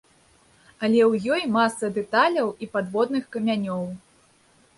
Але ў ёй маса дэталяў і падводных камянёў.